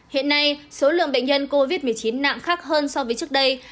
hiện nay số lượng bệnh nhân covid một mươi chín nặng khác hơn so với trước đây